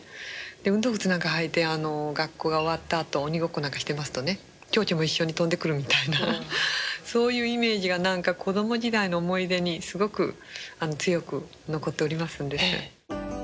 運動靴なんか履いて学校が終わったあと鬼ごっこなんかしてますとね蝶々も一緒に飛んでくるみたいなそういうイメージが何か子ども時代の思い出にすごく強く残っておりますんです。